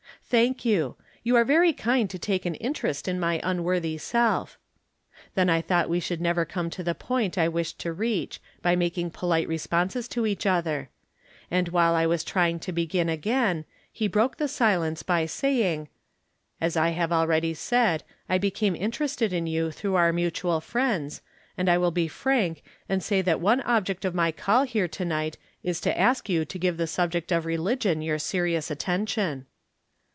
" Thank you. You are very kind to take an interest in my unworthy self." Then I thought we should never come at the point I wished to reach, by making polite responses to each other ; and, whne I was trying to begin again, he broke the silence by saying :" As I have already said, I became interested in you through our mutual friends, and I will be frank and say that one object of my call here to night is to ask you to give the subject of religion your serious attention."